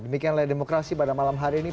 demikian layar demokrasi pada malam hari ini